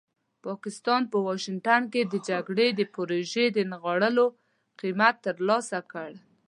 پاکستان په واشنګټن کې د جګړې د پروژې د نغاړلو قیمت ترلاسه کړ.